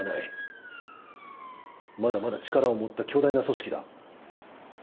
まだまだ力を持った巨大な組織だ。